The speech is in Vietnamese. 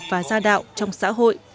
và gia đạo trong xã hội